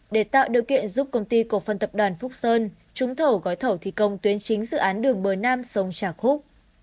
để tạo điều kiện giúp công ty cổ phân tập đoàn phúc sơn trúng thầu gói thầu thi công tuyến chính dự án đường bờ nam sông trà khúc